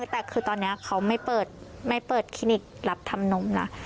แต่คือตอนนี้เขาไม่เปิดคลินิกรับทำนมนะ